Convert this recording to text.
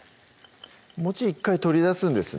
１回取り出すんですね